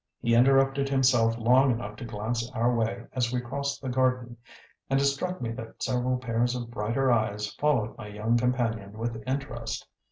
He interrupted himself long enough to glance our way as we crossed the garden; and it struck me that several pairs of brighter eyes followed my young companion with interest.